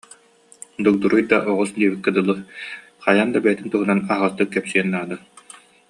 Дугдуруй да оҕус диэбиккэ дылы, хайаан да бэйэтин туһунан аһаҕастык кэпсиэн наада